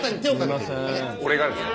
俺がですか？